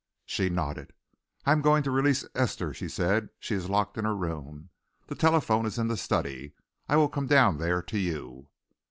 She nodded. "I am going to release Esther," she said. "She is locked in her room. The telephone is in the study. I will come down there to you."